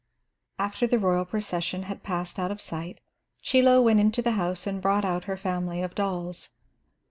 After the royal procession had passed out of sight, Chie Lo went into the house and brought out her family of dolls.